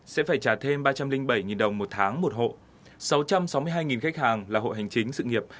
sẽ phải trả thêm ba trăm linh bảy đồng một tháng một hộ sáu trăm sáu mươi hai khách hàng là hộ hành chính sự nghiệp